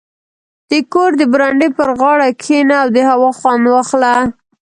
• د کور د برنډې پر غاړه کښېنه او د هوا خوند واخله.